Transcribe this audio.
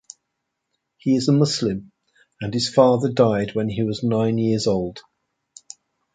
He is a Muslim, and his father died when he was nine years old.